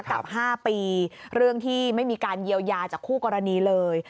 กับ๕ปีเรื่องที่ไม่มีการเยียวยาจากคู่กรณีเลย